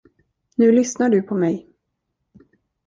Nu lyssnar du på mig.